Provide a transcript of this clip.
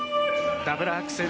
ダブルアクセル。